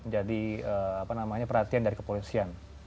jadi apa namanya perhatian dari kepolisian